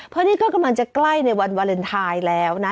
เพราะนี่ก็กำลังจะใกล้ในวันวาเลนไทยแล้วนะ